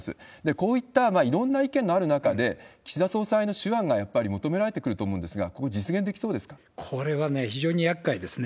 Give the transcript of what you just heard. こういったいろんな意見のある中で、岸田総裁の手腕がやっぱり求められてくると思うんですが、ここ、これはね、非常にやっかいですね。